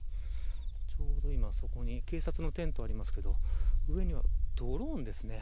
ちょうど今、そこに警察のテントがありますけど上には、ドローンですね。